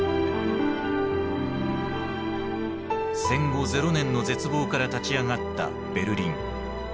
戦後ゼロ年の絶望から立ち上がったベルリン。